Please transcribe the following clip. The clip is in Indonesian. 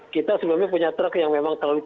kita sebelumnya punya truk yang memang terlalu